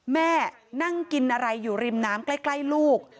แม่นั่งกินอะไรอยู่ริมน้ำใกล้ลูก